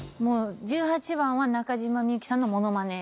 十八番は中島みゆきさんの物まね。